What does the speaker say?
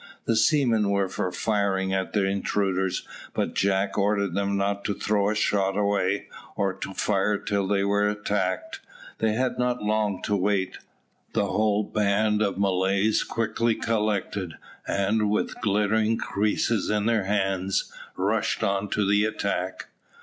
The seamen were for firing at the intruders, but Jack ordered them not to throw a shot away, or to fire till they were attacked. They had not long to wait. The whole band of Malays quickly collected, and, with glittering creeses in their hands, rushed on to the attack.